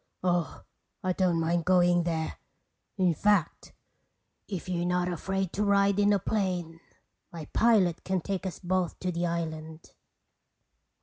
"Oh, I don't mind going there. In fact, if you're not afraid to ride in a plane, my pilot can take us both to the island."